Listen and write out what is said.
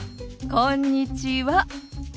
こんにちは。